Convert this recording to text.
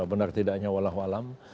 benar tidak hanya walau alam